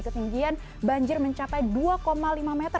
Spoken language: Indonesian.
ketinggian banjir mencapai dua lima meter